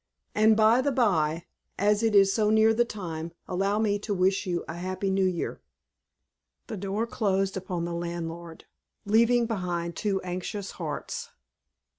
And by the by, as it is so near the time, allow me to wish you a Happy New Year." The door closed upon the landlord, leaving behind two anxious hearts.